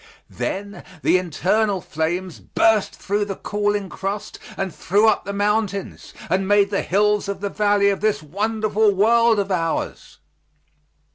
Then the internal flames burst through the cooling crust and threw up the mountains and made the hills of the valley of this wonderful world of ours.